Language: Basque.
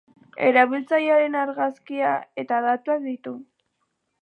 Erabiltzailearen argazkia eta datuak ditu.